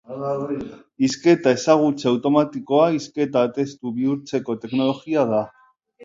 Hizketa-ezagutze automatikoa hizketa testu bihurtzeko teknologia da.